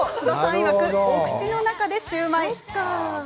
いわくお口の中でシューマイ。